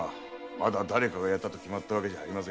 まだ誰かがやったと決まったわけじゃありません。